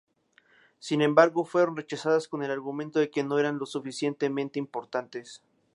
Sin embargo, fueron rechazadas con el argumento de que no eran lo suficientemente importantes.